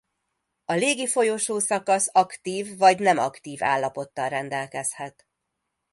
A légi folyosó szakasz aktív vagy nem aktív állapottal rendelkezhet.